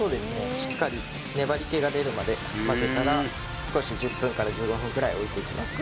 しっかり粘り気が出るまで混ぜたら少し１０分から１５分くらい置いていきます